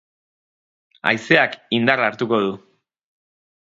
Haizeak indarra hartuko du.